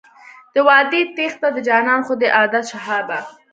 د وعدې تېښته د جانان خو دی عادت شهابه.